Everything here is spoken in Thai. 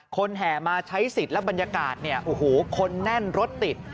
แห่มาใช้สิทธิ์และบรรยากาศเนี่ยโอ้โหคนแน่นรถติด